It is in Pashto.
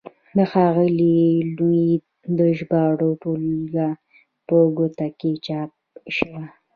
د ښاغلي نوید د ژباړو ټولګه په کوټه کې چاپ شوه.